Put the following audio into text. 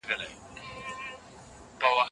د کابل او اورمچي ترمنځ الوتني څنګه تنظیم کيږي؟